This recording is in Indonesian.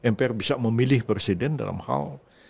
mpr bisa memilih presiden dalam hal